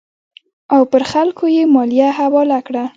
او پر خلکو یې مالیه حواله کړه.